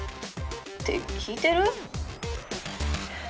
「って聞いてる？」。